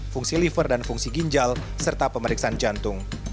fungsi liver dan fungsi ginjal serta pemeriksaan jantung